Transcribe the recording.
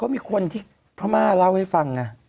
ก็มีคนที่พระม่าเล่าให้ฟังน่ะ